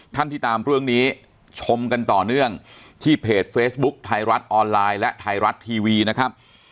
ท่านที่ตามเรื่องนี้ชมกันต่อเนื่องที่เพจเฟซบุ๊คไทยรัฐออนไลน์และไทยรัฐทีวีนะครับ